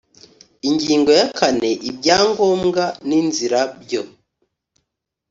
ingingo ya kane ibyangombwa n inzira byo